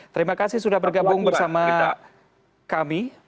terima kasih sudah bergabung bersama kami